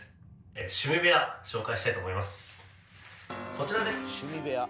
こちらです。